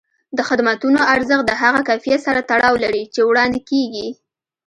د خدمتونو ارزښت د هغه کیفیت سره تړاو لري چې وړاندې کېږي.